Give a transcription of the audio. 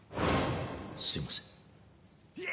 すいません。